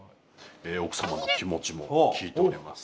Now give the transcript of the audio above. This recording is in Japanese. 奥様の気持ちも聞いております。